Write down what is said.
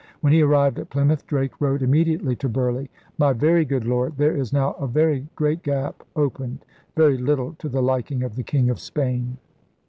When he arrived at Plymouth, Drake wrote immediately to Burleigh: *My very good Lord, there is now a very great gap opened, very little to the liking of the King of Spain.